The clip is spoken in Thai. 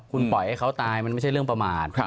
คุณปล่อยให้เขาตายมันไม่ใช่เรื่องประมาท